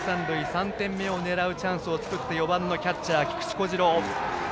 ３点目を狙うチャンスを作って４番のキャッチャー、菊池虎志朗。